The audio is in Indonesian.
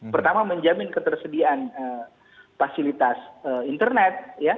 pertama menjamin ketersediaan fasilitas internet